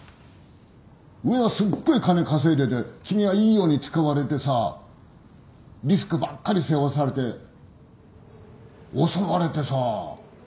上はすっごい金稼いでて君はいいように使われてさリスクばっかり背負わされて襲われてさあ。